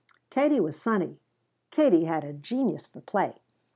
Katie was sunny. Katie had a genius for play.